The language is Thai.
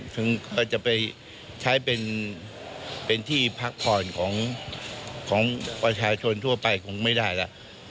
ซึ่งก็จะไปใช้เป็นที่พักผ่อนของประชาชนทั่วไปคงไม่ได้แล้ว